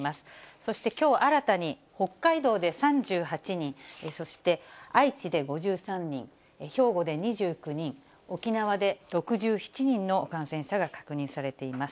そして、きょう新たに北海道で３８人、そして愛知で５３人、兵庫で２９人、沖縄で６７人の感染者が確認されています。